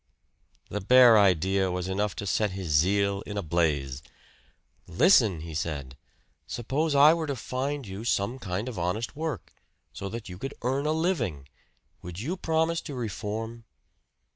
The bare idea was enough to set his zeal in a blaze. "Listen," he said. "Suppose I were to find you some kind of honest work, so that you could earn a living. Would you promise to reform?"